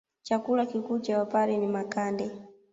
Chakula kikuu cha wpare ni makande